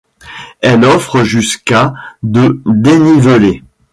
Elles offrent jusqu'à de dénivelé.